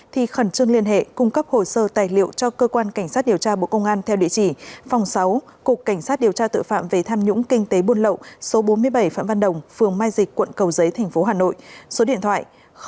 thì khẩn trương liên hệ cung cấp hồ sơ tài liệu cho cơ quan cảnh sát điều tra bộ công an theo địa chỉ phòng sáu cục cảnh sát điều tra tự phạm về tham nhũng kinh tế buôn lậu số bốn mươi bảy phạm văn đồng phường mai dịch quận cầu giấy tp hà nội số điện thoại chín trăm tám mươi tám tám trăm sáu mươi sáu sáu trăm một mươi một